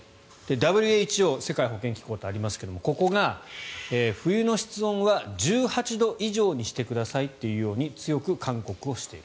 ＷＨＯ・世界保健機関とありますがここが、冬の室温は１８度以上にしてくださいと強く勧告をしている。